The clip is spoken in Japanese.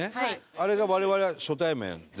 あれが我々は初対面でしたけど。